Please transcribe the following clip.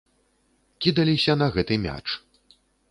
Кідаліся на гэты мяч.